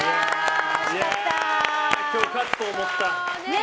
今日、勝つと思った。